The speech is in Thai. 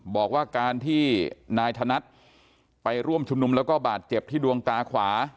บอกว่าการที่นายธนัดไปร่วมชุมนุมแล้วก็บาดเจ็บที่ดวงตาขวา